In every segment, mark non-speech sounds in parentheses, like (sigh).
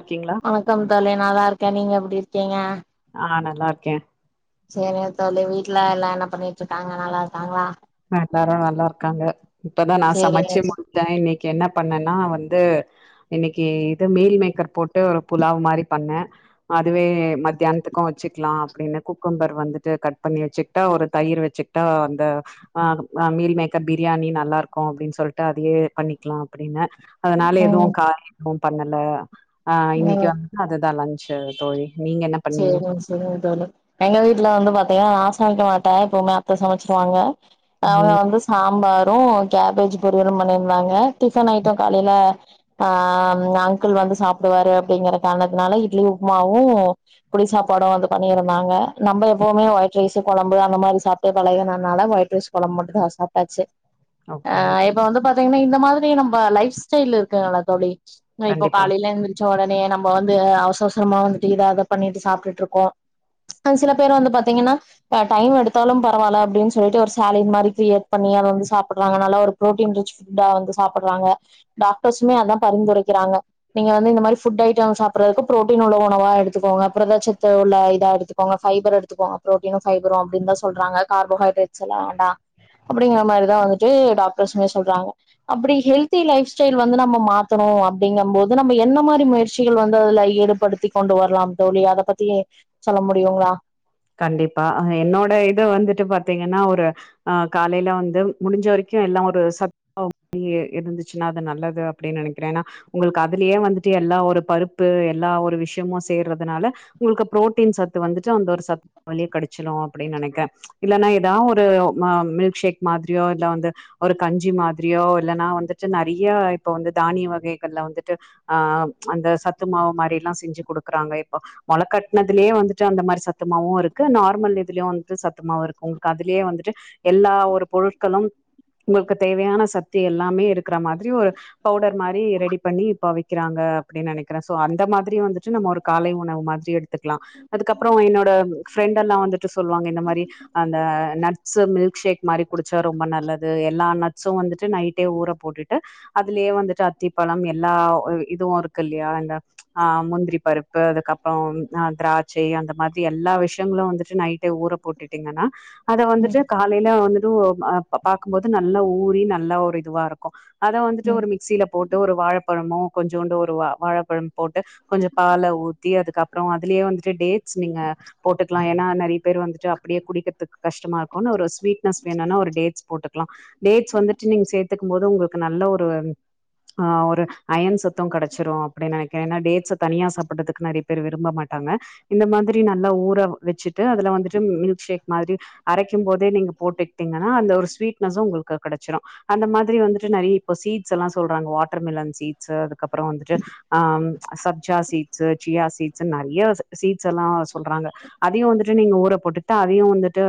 ஓகேங்க வணக்கம் தோழி நல்லா இருக்க நீங்க எப்படி இருக்கீங்க ஆ நா நல்லா இருக்கே சேரிங்க தோழி வீட்ல எல்லா என்ன பண்ணிட்டு இருக்காங்க நல்லா இருக்காங்களா எல்லாரு நல்லா இருக்காங்க இப்பதா நா சேரி சமைச்சே முடிச் த இன்னைக்கு என்ன பண்ணன்னா வந்து இன்னைக்கு இது மீல் மேக்கர் போட்டு ஒரு புலாவ் மாரி பண்ண அதுவே மத்தியானத்துக்கு வச்சிக்கலா அப்டின்னு குக்கும்பர் வந்துட்டு கட் பண்ணி வச்சிக்கிட்டா ஒரு தயிர் வச்சி ட்டா அந்த ஆ ஆ மீல் மேக்கர் பிரியாணி நல்லா இருக்கு அப்டின்னு சொல்ட்டு அதையே பண்ணிக்கலா அப்படின்னு அதனால எதுவு ம் கா எதுவு பண்ணல ஆ இன்னைக்கு ம் வந்து அதுதா லன்ஞ்சு தோழி நீங்க என்ன பண்ணீங்க சேரிங்க ச எங்க வீட்ட வந்து எங்க வீட்ல வந்து பாத்தீங்கன்னா நா சமைக்க மாட்ட இப்போமே அந்த சமைச்சிருவாங்க அவுங்க ம் வந்து சாம்பாரு கேபேஜ் பொரியலு பண்ணியிருந்தாங்க டிஃபன் ஐட்டோ காலையில ஆ அங்கிள் வந்து சாப்டுவாரு அப்படிங்கற கார்ணத்துனால இட்லி உப்புமாவு புளி சாப்பாடு வந்து பண்ணியிருந்தாங்க நம்ப எப்பவுமே ஒயிட் ரைஸு கொழம்பு அந்த மாரி சாப் ட்டே பழகுனனால ஒய்ட் ரைஸ் குழம்ப மட்டு தா சாப்ட்டாச்சி அ ஓகே இப்ப வந்து பாத்தீங்கன்னா இந்த மாதிரி நம்ப லைஃப் ஸ்டைல் இருக்குங்களா தோழி தோ இப்போ கண்டிப்பா காலையில எந்திரச்ச ஒடனே நம்ப வந்து அவ்சவ்சரமா வந்துட்டு இத அத பண்ணிட்டு சாப்ட்டுருக்கோ ஒரு சில பேர் வந்து பாத்தீங்கன்னா இப்ப டைம் எடுத்தாலு பரவால அப்டின்னு சொல்லிட்டு ஒரு சேலேட் மாரி கிரியேட் பண்ணி அத வந்து சாப்படுறாங்க நல்லா ஒரு பு்ரோட்டீன் ரிச் ஃபுட்டா வந்து சாப்படுறாங்க டாக்டர்சுமே அதா பரிந்துரைக்கிறாங்க நீங்க வந்து இந்த மாரி ஃபுட் ஐட்டோ சாப்படுறதுக்கு ப்ரோட்டீன் உள்ள உணவா எடு த்துகோங்க புரத சத்து உள்ள இத எடுத்துக்கோங்க ஃபைபர் எடுத்துக்கோங்க ப்ரோடீனு ஃபைபரு அப்டினுதா சொல்றாங்க கார்போஹைட்ரேட் சுல்லா வேண்டா அப்டிங்கிற மாரிதா வந்துட்டு டாக்டர்சுமே சொல்றாங்க அப்படி ஹெல்தி லைஃப் ஸ்டைல் வந்து நம்ப மாத்தணும் அப்படிங்கும் போது நம்ப என்ன மாரி முயற்சிகள் வந்து அதுல ஈடு படுத்திக் கொண்டு வர்லாம் தோழி அத பத்தி சொல்ல முடியுங்களா கண்டிப்பா என்னோட இத வந்துட்டு பாத்தீங்கன்னா ஒரு ஆ காலையில வந்து முடிஞ்ச வரைக்கும் எல்லா ஒரு சத் (inaudible) இருந்துச்சுன்னா அது நல்லது அப்டின்னு நெனைக்கிற ஏன்னா உங்களுக்கு அதுலயே வந்துட்டு எல்லா ஒரு பருப்பு எல்லா ஒரு விஷயமு சேர்றதுனால உங்களுக்கு புரோட்டீன் சத்து வந்துட்டு அந்த ஒரு சத்து வழியா கெடச்சிடு அப்டின்னு நெனைக்கிற இல்லன்னா ஏதா ஒரு மா மில்க் ஷேக் மாதிரியோ இல்ல வந்து ஒரு கஞ்சி மாதிரியோ இல்லன்னா வந்துட்டு நெறைய இப்ப வந்து தானிய வகைகள்ல வந்துட்டு ஆ அந்த சத்து மாவு மாரில்லா செஞ்சு குடுக்குறாங்க இப்ப மொள கட்னதுலயே வந்துட்டு அந்தமாரி சத் துமாவு இருக்கு நார்மல் இதுலியு வந்துட்டு சத்துமாவு இருக்கு உங்களுக்கு அதுலேயே வந்துட்டு எல்லா ஒரு பொருட்களும் உங்களுக்கு தேவையான சக்தி எல்லாமே இருக்கிற மாதிரி ஒரு பவுடர் மாரி ரெடி பண்ணி இப்ப விக் கிறாங்க அப்டின்னு நெனைக்கிற சோ அந்த மாதிரி வந்துட்டு நம்ம ஒரு காலை உணவு மாதிரி எடுத்துக்கலா அதுக்கப்புற என்னோ ட் ஃப்ரெண்ட் எல்லா வந்துட்டு சொல்வாங்க இந்த மாரி அந்த நட்ஸு மில்க் ஷேக் மாரி குடிச்சா ரொம்ப நல்லது எல் எல்லா நட்ஸும் வந்துட்டு நைட்டே ஊற போட்டுட்டு அதுலயே வந்துட்டு அத்திப்பழம் எல்லா இதுவு இருக்கு இல்லையா அந்த ஆ முந்திரி பருப்பு அதுக்கப்புறம் ஆ திராட்சை அந்த மாரி து எல்லா விஷயங்களு வந்துட்டு நைட்டே ஊற போட்டுட்டீங்கன்னா அத வந்துட்டு ம் காலையில வந்துட்டு ஓ ப பாக்கும்போது நல்ல ஊறி நல்ல ஒரு இதுவா இருக்கும் அத வந்துட்டு ம் ஒரு மிக்சில போட்டு ஒரு வாழப்பழமு கொஞ்சோண்டு ஒரு வா வாழைப்பழம் போட்டு கொஞ்ச பால ஊத்தி அதுக்கப்புற அதுலயே வந்துட்டு டேட்ஸ் நீங்க போட்டுக்கலா ஏன்னா நெறைய பேர் வந்துட்டு அப்டியே குடிக்கிறதுக்கு கஷ்டமா இருக்குன்னு ஒரு ஸ்வீட் ரஸ் வேணுன்னா ஒரு டேட்ஸ் போட்டுக்கலா டேட்ஸ் வந்துட்டு நீங்க சேர்த்துக்கும் போது உங்களுக்கு நல்ல ஒரு ஆ ஒரு அயன் சத்தும் கெடச்சிடு அப்டின்னு நெனைக்கிற ஏன்னா டேட்ஸ தனியா சாப்றதுக்கு நெறை பேர் விரும்ப மாட்டாங்க இந்த மாதிரி நல்லா ஊற வச்சுட்டு அதுல வந்துட்டு மில்க் ஷேக் மாரி அரைக்கும் போதே நீங்க போட்டுக்கிட்டீங்கன்னா அந்த ஒரு ஸ்வீட்னஸு உங்களுக்கு கெடைச்சிடு அந்த மாதிரி வந்துட்டு நெறைய இப்போ சீட்ஸ் எல்லா சொல்றாங்க வாட்டர் மிலன் சீட்ஸு அதுக்கப்புற வந்துட்டு ஆ சப்ஜா சீட்ஸு சியா சீட்ஸு நெறைய சீட்ஸ் எல்லா சொல்றாங்க அதையு வந்துட்டு நீங்க ஊற போட்டுட்டு அதையு வந்துட்டு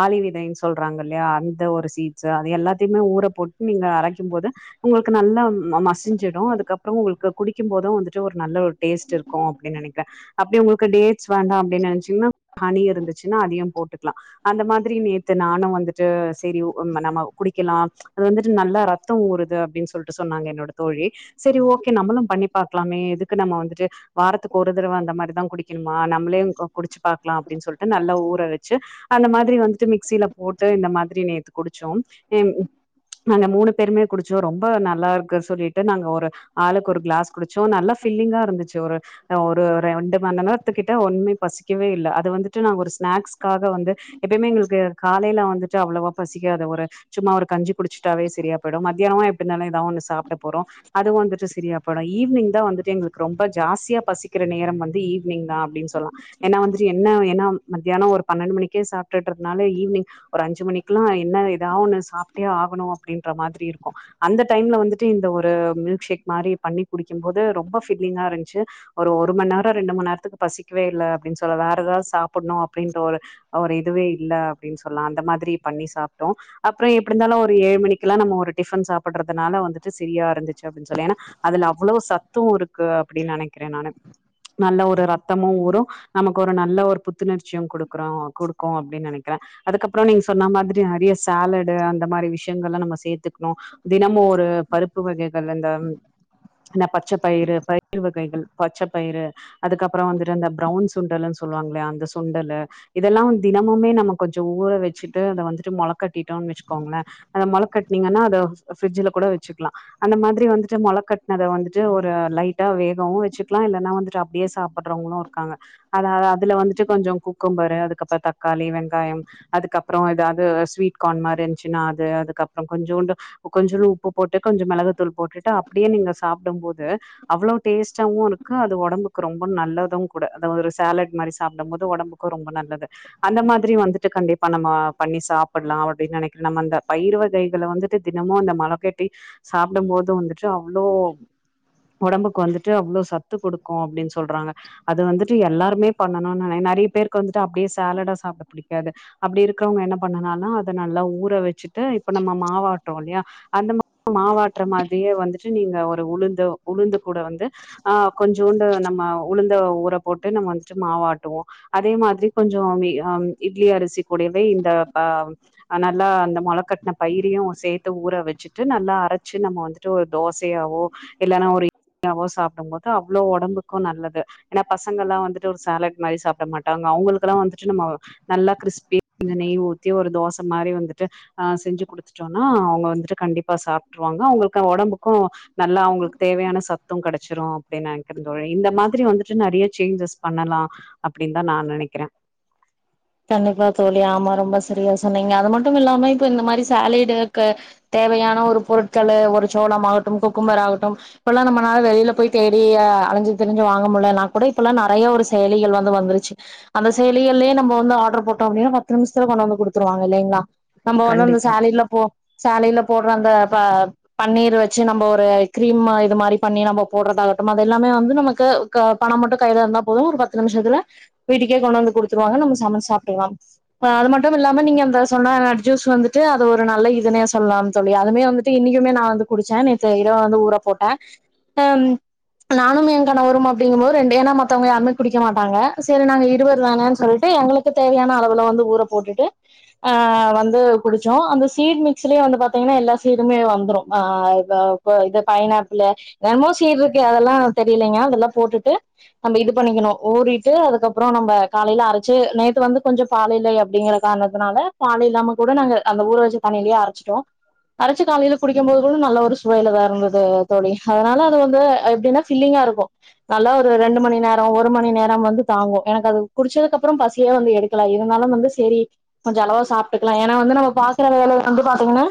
ஆழி விதைன்னு சொல்றாங்க இல்லையா அந்த ஒரு சீட்ஸு அது எல்லாத்தையுமே ஊற போட்டு நீங்க அரைக்கும் போது உங்களுக்கு நல்லா மசிஞ்சிடும் அதுக்கப்புற உங்களுக்கு குடிக்கும் போதும் வந்துட்டு ஒரு நல்ல ஒரு டேஸ்ட் இருக் கு அப்டின்னு நெனைக்கிற அப்டி உங்களுக்கு டேட்ஸ் வேண்டாம் அப்டின்னு நெனைச்சீங்கன்னா ஹனி இருந்துச்சுன்னா அதையு போட்டுக்கலா அந்த மாதிரி நேத்து நானு வந்துட்டு சேரி ஓ நம்ம குடிக்கலா அது வந்துட்டு நல்லா ரத்தம் ஊறுது அப்டின்னு சொல்ட்டு சொன்னாங்க என்னோட தோழி சரி ஓகே நம்மளு பண்ணி பாக்கலாமே எதுக்கு நம்ம வந்துட்டு வாரத்துக்கு ஒரு தடவ அந்த மாரி குடிக்கணுமா நம்மளே குடிச்சு பாக்கலா அப்டின்னு சொல்லிட்டு நல்ல ஊற வச் சு அந்த மாதிரி வந்துட்டு மிக்சில போட்டு இந்த மாதிரி நேத்து குடிச்சோம் ஏ நாங்க மூணு பேருமே குடிச்சோ ரொம்ப நல்லா இருக்குன்னு சொல்லிட்டு நாங்க ஒரு ஆளுக்கு ஒரு கிளாஸ் குடிச்சோ நல்லா ஃபில்லிங்கா இருந்துச்சு ஒரு ஒரு ரெண்டு மண்நேரத்துக்கிட்ட ஒன்னுமே பசிக்கவே இல்ல அது வந்துட்டு நா ஒரு ஸ்நாக்ஸ் க்காக வந்து எப்பயுமே எங்களுக்கு காலையில வந்துட்டு அவ்வளவா பசிக்காது ஒரு சும்மா ஒரு கஞ்சி குடிச்சிட்டாவே சரியா போயுடு மதியானோ எப்டினால ஏதா ஒன்னு சாப்ட போறோ அதுவு வந்துட்டு சரியா போயிடு ஈவினிங் தா வந்துட்டு எங்குளுக்கு ரொம்ப ஜாஸியா பசிக்கிற நேரம் வந் து ஈவினிங் தா அப்டின் சொல்லா ஏனா வந்துட்டு என்ன எனா மத்யானோ ஒரு பன்னெண்டு மணிக்கே சாப்ட்டுரதுனால ஈவினிங் ஒரு அஞ்சு மணிக்குலா என்ன ஏதா ஒன்னு சாப்ட்டே ஆகுணு அப்டின்ற மாதிரி இருக்கு அந்த டைம்ல வந்துட்டு இந்த ஒரு மில்க் ஷேக் மாரி பண்ணி குடிக்கும்போது ரொம்ப ஃபில்லிங்காருந்துச்சு ஒரு ஒரு மண்நேரோ ரெண்டு மண் நேரத்துக்கு பசிக்கவே இல்ல அப்டின் சொல்ல வேற எதாது சாப்புட்ணு அப்டின்ற ஒரு அ ஒரு இதுவே இல்ல அப்டின் சொல்லா அந்த மாதிரி பண்ணி சாப்ட்டோ அப்றோ எப்டி இந்தாலு ஒரு ஏழு மணிக்குலா நம்ம ஒரு டிஃபன் சாப்புட்றதுனால வந்துட்டு செரியா இருந்துச்சு அப்டின் சொல்லா ஏனா அதுல அவ்ளோ சத்து இருக்கு அப்டின் நெனைக்றே நானு நல்ல ஒரு ரத்தமு ஊரு நமக்கு ஒரு நல்ல ஒரு புத்துணர்ச்சியு குடுக்குறோ குடுக்கு அப்டின் நெனைக்கிறே அதுக்கப்றோ நீங்க சொன்ன மாதிரி நறைய சாலடு அந்த மாரி விஷயங்கல்லா நம்ம சேத்துக்குணு தினமு ஒரு பருப்பு வகைகள் அந்த என்ன பச்சப்பயிறு பயிறு வகைகள் பச்சப்பயிறு அதுக்கப்பறோ வந்துட்டு இந்த பிரவுன் சுண்டல்ன்னு சொல்லுவாங்ளயா அந்த சுண்டலு இதெலா தினமுமே நம்ம கொஞ்சோ ஊற வச்சிட்டு அத வந்துட்டு மொளகட்டிட்டோன் வச்சுக்கோங்களே அத மொள கட்னிங்கன்னா அத பிரிட்ஜில கூட வச்சுக்கலா அந்த மாதிரி வந்துட்டு மொள கட்னத வந்துட்டு ஒரு லைட்டா வேகவு வச்சுக்லா இல்லன்னா வந்துட்டு அப்டியே சாப்புட்றவங்களு இருக்காங்க அதலா அதுல வந்துட்டு கொஞ்சோ குக்கும்பரு அதுக்கப்புற தக்காளி வெங்காயம் அதுக்கப்றோ எதாது ஸ்வீட் கார்ன் மாரிந்துச்சுன்னா அது அதுக்கப்றோ கொஞ்சோண்டு கொஞ்சோன் உப்பு போட்டு கொஞ்ச மெளகுத்தூள் போட்டுட்டு அப்டியே நீங்க சாப்டும்போது அவ்ளோ டேஸ்ட்டாவு ருக்கு அது ஒடம்புக் கு ரொம்ப நல்லது கூட அத ஒரு சாலட் மாரி சாப்டும்போது ஒடம்புக்கு ரொம்ப நல்லது அந்த மாதிரி வந்துட்டு கண்டிப்பா நம்ம பண்ணி சாப்புட்லா அப்டின் நெனைக்றே நம்ம அந்த பயிர் வகைகள வந்து டு தினமு அந்த மொல கட்டி சாப்டும்போது வந்துட்டு அவ்ளோ ஒடம்புக்கு வந்துட்டு அவ்ளோ சத்து குடுக்கு அப்டின் சொல்றாங்க அது வந்துட்டு எல்லாருமே பண்ணணுனு நென நறைய பேருக்கு வந்துட்டு அப்டியே சாலடா சாப்ட புடிக்காது அப்டி இருக்றவங்க என்ன பண்ணனானா அத நல்லா ஊற வச்சுட்டு இப்ப நம்ம மாவாட்றோ இல்லையா அந்த மா மாவாட்ற மாதிரியே வந்துட்டு நீங்க ஒரு உளுந்தோ உளுந்து கூட வந்து ஆ கொஞ்சோண்டு நம்ம உளுந்த ஊற போட்டு நம்ம வந்துட்டு மாவாட்டுவோ அதே மாதிரி கொஞ்சோ மி ஆ இட்லி அரிசி கூடவே இந்த ப அ நல்லா அந்த மொல கட்ன பயிரையு சேத்து ஊற வச்சுட்டு நல்லா அரைச்சு நம்ம வந்து டு ஒரு தோசையாவோ இல்லனா ஒரு (inaudible) சாப்டும்போது அவ்ளோ ஒடம்புக் க்கு நல்லது ஏனா பசங்கலா வந்துட்டு ஒரு சாலட் மாரி சாப்ட மாட்டாங்க அவங்குளுக்குலா வந்துட்டு நம்ம நல்லா க்ரிஸ்பி கொஞ்சோ நெய் ஊத்தி ஒரு தோச மாரி வந்துட்டு அ செஞ்சு குடுத்துட்டோனா அவங்க வந்துட்டு கண்டிப்பா சாப்ட்டுருவாங்க அவங்களுக்கு ஒடம்பு க்கு நல்லா அவங்களுக்கு தேவையான சத்து கெடைச்சிரு அப்டின் நெனைக்குறே தோழி இந்த மாதிரி வந்துட்டு நறைய சேஞ்சஸ் பண்ணலா அப்டின் தா நா நெனைக்குறே கண்டிப்பா தோழி ஆமா ரொம்ப சரியா சொன்னீங்க அது மட்டு இல்லாம இப்ப இந்த மாரி சலேடுக்கு தேவையான ஒரு பொருட்களு ஒரு சோளம் ஆகட்டும் குக்கும்பர் ஆகட்டும் இப்பலா நம்மனால வெளில போய் தேடி அலஞ்சி திரிஞ்சு வாங்க முல்லனா கூட இப்பல்லா நறைய ஒரு செயலிகள் வந்து வந்துருச்சு அந்த செயலிகள்லே நம்ம வந் வந்து ஆட்ரு போட்டோ அப்டின்னா பத்து நிம்ஷத்துல கொண்டு வந்து குடுத்துருவாங்க இல்லைங்ளா நம்ப வந்து அந்த கண்டிப்பா சாலைல போ சாலைல போட்ற அந்த ப பன்னீர் வச்சு நம்ம ஒரு கிரீம் இது மாரி பண்ணி நம்ம போட்றதாகட்டு அது எல்லாமே வந்து நமக்கு க பணம் மட்டும் கையில இருந்தா போதும் ஒரு பத்து நிமிஷத்துல வீட்டுக்கே கொண்டு வந்து குடுத்துருவாங்க நம்ம சமச் சாப்ட்டுற்லாம் அது மட்டும் இல்லாம நீங்க அந்த சொன்ன ஜூஸ் வந்துட்டு அது ஒரு நல்ல இதுனே சொல்லலாம்னு சொல்லி அதுமே வந்துட்டு இன்னைக்குமே நா வந்து குடிச்சே நேத்த இரவு வந்து ஊற போட்டே நானுமே கணவரும் அப்டிங்கும்போது ரெண்டு ஏனா மத்தவங்க யாருமே குடிக்க மாட்டாங்க சரி நாங்க இருவர் தானன் சொல்லிட்டு எங்களுக்கு தேவையான அளவு வந்து ஊற போட்டுட்டு ஆ வந்து குடிச்சோ அந்த சீட் மிக் ஸ்லே வந்து பாத்தீங்கன்னா எல்லா சீடும்மே வந்துடும் ஆ வ ப இது பைனாப்பிள்ளு என்மோ சீட்டு இருக்கு அதெல்லா தெரியலங்கா அதெல்லா போட்டுட்டு நம்ம இது பண்ணிக்கணு ஊறிட்டு அதுக்கப்றோ நம்ம காலையில அரைச்சு நேத் பால் இல்லை அப்டிங்கிற காரணத்தனால பால் இல்லாம கூட நாங்க அந்த ஊற வச்சு தண்ணியிலேயே அரைச்சிட்டோ அரைச்சி காலையில குடிக்கும் போது கூள்ள நல்ல ஒரு சுவைலதா இருந்தது தோழி அதனால அது வந்து எப்டின்னா ஃபில்லிங்கா இருக்கு நல்லா ஒரு ரெண்டு மணி நேரோ ஒரு மணி நேரம் வந்து தாங்கு எனக்கு அது குடிச்சதுக்குப்றோ பசி யே வந்து எடுக்கலா இருந்தாலு வந்து சரி கொஞ்சம் அளவா சாப்ட்டுக்கலா ஏன்னா வந்து நமக்கு பாக்குற வேல வந்து பாத்தீங்கன்னா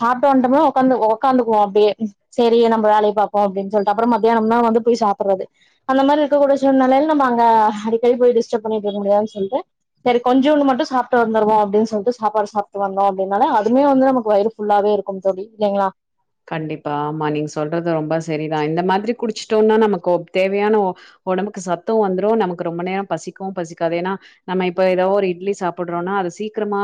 சாப்பிட வந்துட்டமே உகாந்து உக்காந்துக்குவோ அப்டியே சரி நம்ம வேலைய பார்போ அப்டின் சொல்ட்டு அப்பறம் மத்தியானம் தா வந்து போய் சாப்பறது அந்த மாரி இருக்க கூடிய சூழ்நெலைல நம்ம அடிக்க போய் டிஸ்ட பண்ணிட்டுருக்க முடியாது செரி கொஞ்சூண்டு மட்டும் சாப்பட்டு வந்துருவோ அப்டின் சொல்ட்டு சாப்பாடு சாப்ட்டு வந்தோம்னால அதுவே வந்து நமக்கு வயிறு ஃபுல்லாவே இருக்கும் தோழி இல்லைங்ளா கண்டிப்பா ஆமா நீங்க சொல்றது ரொம்ப சரிதா இந்த மாதிரி குடிச்சட்டோன்னா நமக்கு தேவையான உடம்புக்கு சத்து வந்துரு நமக்கு ரொம்ப நேரம் பசிக்கவு பசிக்காது ஏனா நம்ம இப்ப ஏதாவோ ஒரு இட்லி சாப்புட்றோனா அது சீக்கிரமா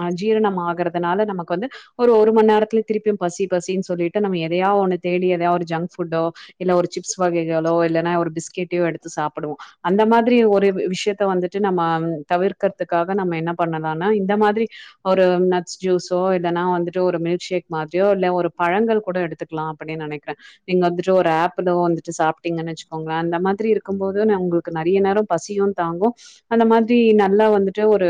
அஹ் ஜீரணம் ஆகறதுனால நமக்கு வந்து ஒரு ஒரு மணி நேரத்துல திருப்பியு பசி பசின்னு சொல்லிட்டு நம்ம எதையோ ஒண்ணு தேடி எதயாவ ஒரு ஜங்க்ஃபுட்டோ இல்ல ஒரு சிப்ஸ் வகைகளோ இல்லைன்னா ஒரு பிஸ்கெட்டயோ எடுத்து சாப்புடுவோ அந்த மாதிரி ஒரு விஷயத்த வந்துட்டு நம்ம தவிர்க்கறதுக்காக நம்ம என்ன பண்ணலனா இந்த மாதிரி ஒரு நட்ஸ் ஜுஸ்ஸோ எதானா வந்துட்டு ஒரு மில்க் ஷேக் மாதி யோல்ல ஒரு பழங்கள் கூட எடுத்துக்கலா அப்படின் நெனைக்கிறே நீங்க வந்துட்டு ஒரு ஆப்பிள்லோ வந்துட்டு சாப்பிட்டீங்கன் வச்சுக்கோங்களன் அந்த மாதிரி இருக்கும் போது நா உங்களுக்கு நெறைய நேரோ பசியு தாங்கு அந்த மாதிரி நல்லா வந்துட்டு ஒரு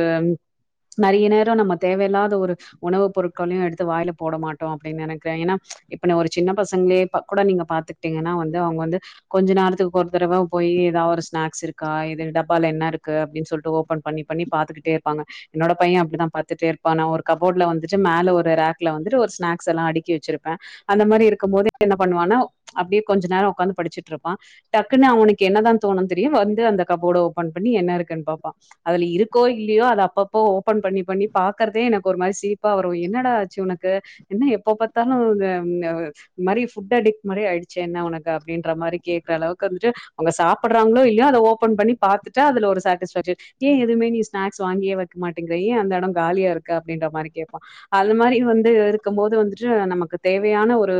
நெறைய நேரோ நம்ம தேவையில்லாத ஒரு உணவு பொருட்களையு எடுத்து வாயில போட மாட் டோ அப்டின்‌ நெனைக்கறே ஏனா இப்ப ஒரு சின்ன பசங்களே கூட நீங்க பாத்துக்கிட்டீங்கன்னா வந்து அவங்க வந்து கொஞ்ச நேரத்துக்கு ஒரு தரவ போய் ஏதாவது ஒரு ஸ்நாக்ஸ் இருக்கா டப்பால என்ன இருக்கு அப்டின் சொல்ட்டு ஓப் பன் பண்ணி பண்ணி பாத்துக்கிட்டே இருப்பாங்க என்னோட பைய அப்டிதா பாத்துட்டே இருப்பா நா ஒரு கபோர்ட்ல வந்துட்டு மேல ஒரு ரேக்ல வந்துட்டு ஒரு ஸ்நாக் ஸெல்லா அடுக்கி வெச்சிருப்பே அந்த மாரி இருக்கும் போது என்ன பண்ணுவான்னா அப்டியே கொஞ்ச நேரோ உக்காந்து படிச்சிட்டுருப்பா டக்குன்னு அவனுக்கு என்னதா தோணுன்னு தெரியும் வந்து அந்த கபோர்ட ஓபன் பண்ணி என்ன இருக்குன்னு பாப்பா அதுல இருக்கோ இல்லையோ அது அப்பப்போ ஓபன் பண்ணி பண்ணி பாக்குறதே எனக்கு ஒரு மாரி சிரிப்பா வரும் என்னடா ஆ ச்சு இவனுக்கு என்ன எப்ப பாத்தாலு (unintelligible) இந்த மாரி ஃபுட் அடிக்ட் மாரி ஆயிடுச்சு என்ன உனக்கு அப்டின்ற மாரி கேக்குற அளவுக்கு வந்துட்டு அவங்க சாப்பட்றாங்களோ இல்லையோ அதை ஓபன் பண்ணி பாத்துட்டட அதுல ஒரு சாட்டிஸ்பேக்ஷன் ஏன் எதுவுமே நீ ஸ்நாக்ஸ் வாங்கியே வெக்க மாட்டேங்கிற ஏன் அந்த இடம் காலியா இருக்கு அப்டின்ற மாரி கேப்பா அந்த மாதிரி வந்து இருக்கும் போது வந்துட்டு நமக்கு தேவையான ஒரு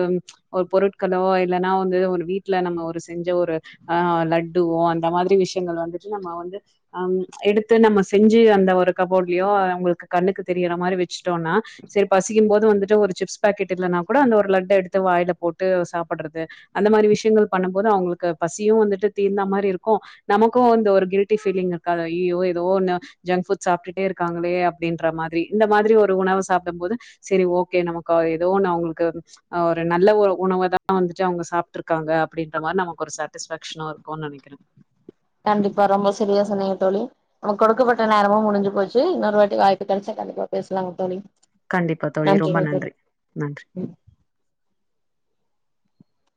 ஒரு பொருட்களோ இல்லன்னா வந்து ஒரு வீட்டுல நம்ம ஒரு செஞ்ச ஒரு அ லட்டுவோ அந்த மாதிரி விஷயங்கள் வந்துட்டு நம்ம வந்து அம் எடுத்து நம்ம செஞ்சு அந்த ஒரு கபோர்ட்லயோ அவங்களுக்கு கண்ணுக்கு தெரியற மாரி வெச்சுட்டோனா சரி பசிக்கும் போது வந்துட்டு ஒரு சிப்ஸ் பாக்கெட் இல்லன்னா கூட அந்த ஒரு லட்ட எடுத்து வாயில போட்டு சாப்பட்றது அந்த மாரி விஷயங்கள் பண்ணும்போது அவங்களுக்கு பசியும் வந்துட்டு தீந்தா மாதிரி இருக்கு நமக்கு வந்து ஒரு கில்ட்டி ஃபீலிங் இருக்காது அய்யயோ ஏதோ ஒன்னு ஜங்க் புட் சாப்ட்டுட்டே இருக்காங்களே அப்டின்ற மாதிரி இந்த மாதிரி ஒரு உணவ சாப்டும் போது சரி ஓ கே நமக்கு ஏதோ ஒண்ணு அவங்களுக்கு அ ஒரு நல்ல ஒரு உணவதா வந்துட்டு அவங்க சாப்ட்ருக்காங்க அப்படின்ற மாரி நமக்கு ஒரு சாட்டிஸ்ப்பேக்ஷனு இருக்கும்னு நெனைக்கிறே கண்டிப்பா ரொம்ப சரியா சொன்னிங்க தோழி நமக்கு குடுக்கப்பட்ட நேரமும் முடிஞ்சு போச்சு இன்னொரு வாட்டி வாய்ப்பு கெடைச்சா கண்டிப்பா பேசலாங்க தோழி கண்டிப்பா தோழி ரொம்ப நன்றிங்க தோழி நன்றி நன்றி ம்